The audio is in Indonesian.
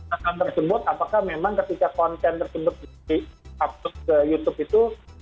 akun tersebut apakah memang ketika konten tersebut di upload ke youtube itu